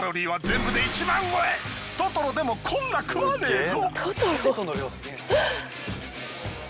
トトロでもこんな食わねえぞ。